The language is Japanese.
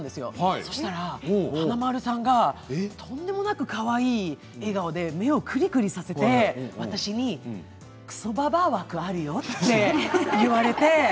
そしたら華丸さんがとんでもなくかわいい笑顔で目をくりくりさせて私にくそばばあ枠あるよって言われて。